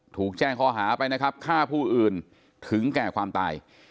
ถูกแจ้งข้อหาไปนะครับฆ่าผู้อื่นถึงแก่ความตาย